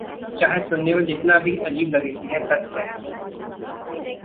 चाहे सुनने में जितना भी अजीब लगे, यह सच है।